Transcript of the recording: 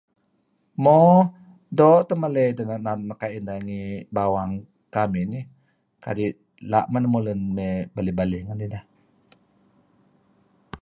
Mo...do tah maley dih nah nuk kuayuh inah ngi bawang kamih nih, adih lah man mulun may belih belih ngan idih